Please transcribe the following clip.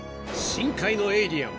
深海のエイリアン。